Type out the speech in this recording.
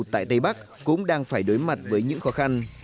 tại tây bắc cũng đang phải đối mặt với những khó khăn